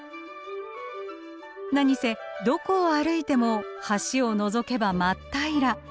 何せどこを歩いても橋をのぞけば真っ平ら。